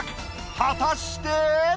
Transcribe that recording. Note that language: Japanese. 果たして？